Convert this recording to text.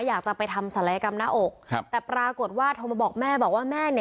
อยากจะไปทำศัลยกรรมหน้าอกครับแต่ปรากฏว่าโทรมาบอกแม่บอกว่าแม่เนี่ย